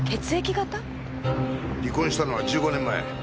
離婚したのは１５年前。